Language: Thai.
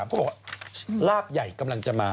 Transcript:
เขาบอกว่าลาบใหญ่กำลังจะมา